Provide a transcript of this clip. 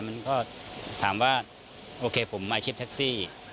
มันก็ถามว่าโอเคผมอาชีพแท็กซี่